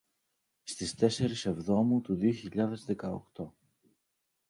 στις τεσσερις εβδόμου του δύο χιλιάδες δέκα οκτώ